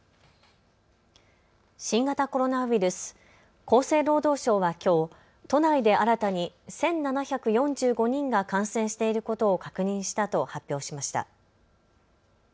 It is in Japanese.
新型コロナウイルス、厚生労働省はきょう都内で新たに１７４５人が感染していることを確認したと発表しました。